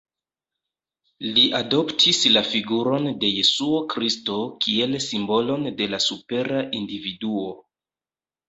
Li adoptis la figuron de Jesuo Kristo kiel simbolon de la supera individuo.